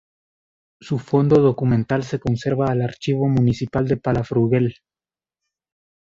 Su fondo documental se conserva al Archivo Municipal de Palafrugell.